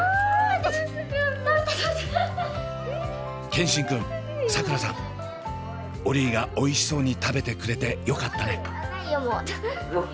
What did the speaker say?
健新くんさくらさんオリィがおいしそうに食べてくれてよかったね。